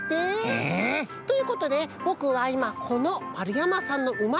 へえ！ということでぼくはいまこの丸山さんのうまれこ